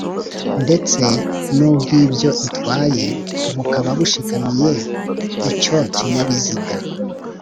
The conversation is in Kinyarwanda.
ndetse n'ubw'ibyo itwaye bukaba bushikamiye icyo kinyabiziga